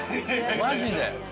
マジで。